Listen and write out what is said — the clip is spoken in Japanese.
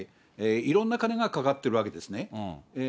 いろんな金がかかってるわけですね。